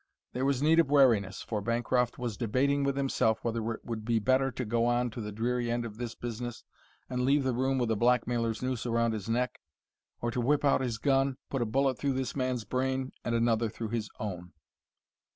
There was need of wariness, for Bancroft was debating with himself whether it would be better to go on to the dreary end of this business and leave the room with a blackmailer's noose around his neck, or to whip out his gun, put a bullet through this man's brain, and another through his own.